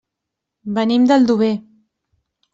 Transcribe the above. Venim d'Aldover.